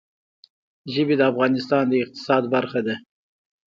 ژبې د افغانستان د اقتصاد برخه ده.